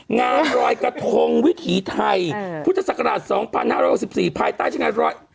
งานรอยกระทงวิถีไทยพุทธศักราช๒๕๖๔ภายใต้ชะงาน๑๐